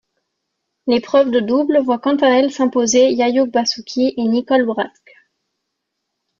L'épreuve de double voit quant à elle s'imposer Yayuk Basuki et Nicole Bradtke.